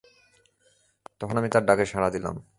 তখন আমি তার ডাকে সাড়া দিলাম।